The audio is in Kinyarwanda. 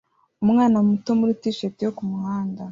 Umwana muto muri t-shirt yo kumuhanda